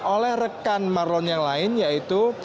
oleh rekan marlon yang lain yaitu